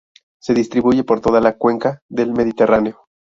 Se distribuye por toda la cuenca del Mediterráneo.